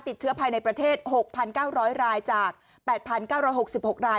เชื้อภายในประเทศ๖๙๐๐รายจาก๘๙๖๖ราย